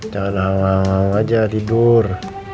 jangan awang awang aja tidur